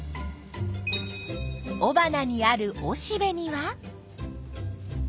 おばなにあるおしべには。